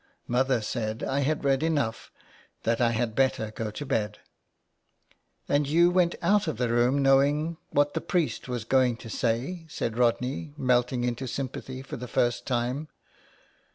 Mother said I had read enough, that I had better go to bed." " And you went out of the room knowing what the priest was going to say?" said Rodney, melting into sympathy for the first time.